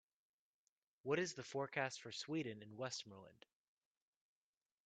what is the forecast for Sweden in Westmoreland